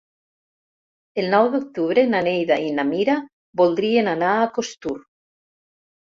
El nou d'octubre na Neida i na Mira voldrien anar a Costur.